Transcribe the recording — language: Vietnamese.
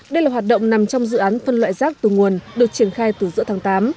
đây là hoạt động nằm trong dự án phân loại rác từ nguồn được triển khai từ giữa tháng tám